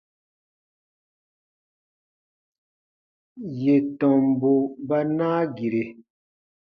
Yè tɔmbu ba naa gire.